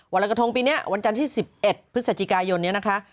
รอยกระทงปีนี้วันจันทร์ที่๑๑พฤศจิกายนนี้นะคะ